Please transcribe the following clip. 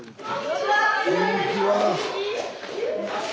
・こんにちは！